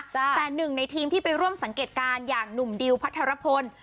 แต่หนึ่งในทีมที่ไปร่วมสังเกตการณ์อย่างหนุ่มดิวพัทรพล